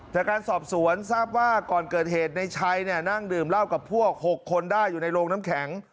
จากการสอบสวนทราบว่าก่อนเกิดเหตุในชัยนั่งดื่มเหล้ากับพวก๖คนได้อยู่ในโรงน้ำแข็ง